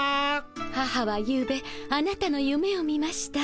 母は夕べあなたのゆめを見ました。